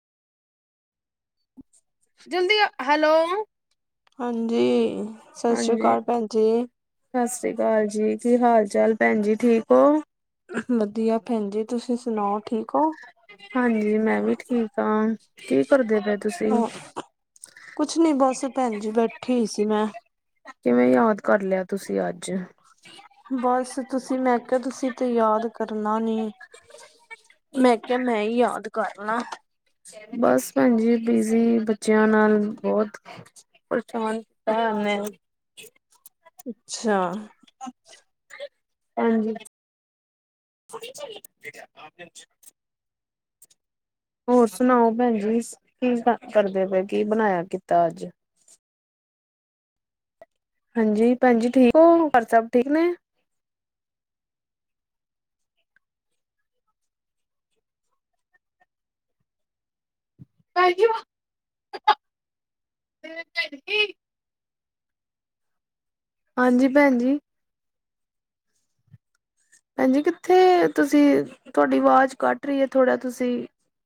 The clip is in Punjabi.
ਜਲਦੀ ਆ, ਹੈਲੋ ਹਾਂਜੀ, ਸਤਿ ਸ੍ਰੀ ਅਕਾਲ ਭੈਣ ਜੀ। ਸਤ ਸਰੀ ਅਕਾਲ ਜੀ ਕੀ ਹਾਲ-ਚਾਲ ਭੈਣ ਜੀ, ਠੀਕ ਹੋ? ਬਸ ਵੱਧੀਆ ਭੈਣ ਜੀ, ਤੁਸੀਂ ਸੁਣਾਓ ਠੀਕ ਓਂ? ਹਾਂਜੀ ਮੈਂ ਵੀ ਠੀਕ ਆ, ਕੀ ਕਰਦੇ ਪਏ ਤੁਸੀਂ? ਹਾਂ, ਕੁਛ ਨੀ ਬਸ ਭੈਣ ਜੀ ਬੈਠੀ ਸੀ ਮੈਂ। ਕਿਵੇਂ ਯਾਦ ਕਰ ਲੇਆ ਤੁਸੀਂ ਅੱਜ? ਬੱਸ ਤੁਸੀਂ ਮੈਂ ਕੇਆ ਤੁਸੀਂ 'ਤੇ ਯਾਦ ਕਰਨਾ ਨੀ। ਮੈਂ ਕੇਆ ਮੈਂ ਈ ਯਾਦ ਕਰ ਲਾ। ਬਸ ਭੈਣਜੀ ਬਿਜ਼ੀ ਬੱਚਿਆਂ ਨਾਲ ਬੋਤ। ਕੁਲਥ ਮੰਨੇ। ਅੱਛਾ। ਹਾਂਜੀ। ਅੱਛਾ ਜੀ। ਹੋਰ ਸੁਣਾਓ ਭੈਣ ਜੀ? ਕੀ ਕੰਮ ਕਰਦੇ ਪਏ ਕੀ ਬਣਾਇਆ ਕੀਤਾ ਅੱਜ? ਹਾਂਜੀ ਭੈਣਜੀ ਠੀਕ ਹੋ, ਘਰ ਸਭ ਠੀਕ ਨੇ? ਭੈਣ ਜੀ, ਹੋਰ ਸਭ ਠੀਕ ਹਾਂਜੀ, ਭੈਣ ਜੀ। ਭੈਣ ਜੀ, ਕਿੱਥੇ ਤੁਸੀਂ ਤੁਹਾਡੀ ਆਵਾਜ਼, ਕੱਟ ਰਹੀ ਹੈ। ਥੋੜਾ ਤੁਸੀਂ